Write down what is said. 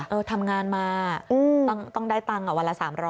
ทำงานมาต้องได้ตังค์วันละ๓๐๐